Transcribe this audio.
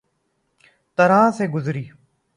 طرح سے گزاری